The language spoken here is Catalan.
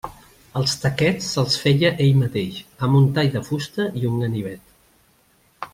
Els taquets se'ls feia ell mateix amb un tall de fusta i un ganivet.